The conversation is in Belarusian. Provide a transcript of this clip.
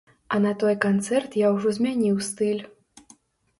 А на той канцэрт я ўжо змяніў стыль.